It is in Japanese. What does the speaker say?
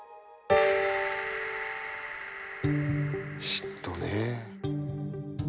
嫉妬ねえ。